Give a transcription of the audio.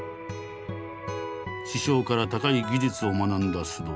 師匠から高い技術を学んだ須藤。